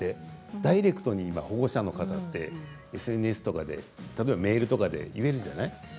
ダイレクトに保護者の方ってＳＮＳなんかで、メールとかで言うじゃないですか。